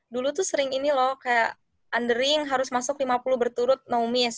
dulu tuh sering ini loh kayak underring harus masuk lima puluh berturut no miss